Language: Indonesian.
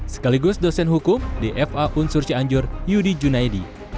sekaligus dosen hukum dfa unsur cianjur yudi junaidi